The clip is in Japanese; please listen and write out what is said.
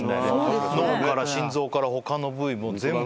脳から心臓から他の部位も全部の。